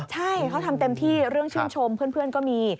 ใช่เขาทำเต็มที่เรื่องชื่นชมเพื่อนก็มี